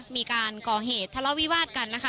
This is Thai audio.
มีการก่อเหตุทะเลาะวิวาดกันนะคะ